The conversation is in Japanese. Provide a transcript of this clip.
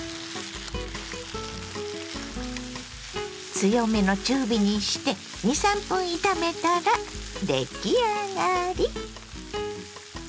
強めの中火にして２３分炒めたら出来上がり。